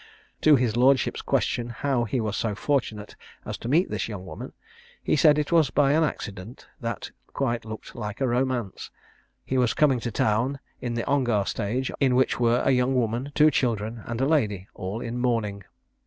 To his lordship's question how he was so fortunate as to meet this young woman, he said it was by an accident, that quite looked like a romance. He was coming to town in the Ongar stage, in which were a young woman, two children, and a lady, all in mourning.